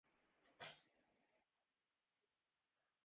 یاں زمیں سے آسماں تک سوختن کا باب تھا